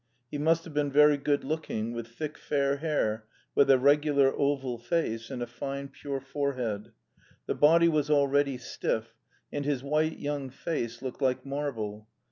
He must have been very good looking, with thick fair hair, with a regular oval face, and a fine, pure forehead. The body was already stiff, and his white young face looked like marble.